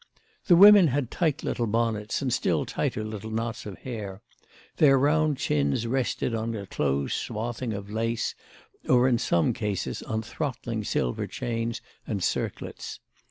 The women had tight little bonnets and still tighter little knots of hair; their round chins rested on a close swathing of lace or in some cases on throttling silver chains and circlets.